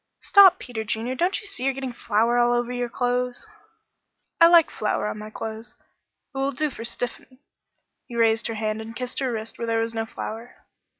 "Stop, Peter Junior. Don't you see you're getting flour all over your clothes?" "I like flour on my clothes. It will do for stiffening." He raised her hand and kissed her wrist where there was no flour.